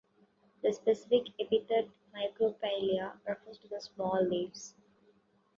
The specific epithet "microphylla" refers to the small leaves.